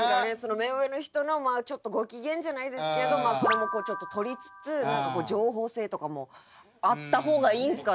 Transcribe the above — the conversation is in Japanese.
目上の人のまあちょっとご機嫌じゃないですけどそれもとりつつ情報性とかもあったほうがいいんすかね？